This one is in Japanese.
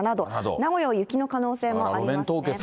名古屋は雪の可能性もあります。